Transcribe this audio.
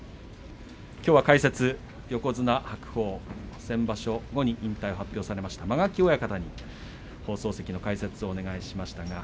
きょう解説、横綱白鵬先場所後に引退を発表されました間垣親方に放送席の解説をお願いいたしました。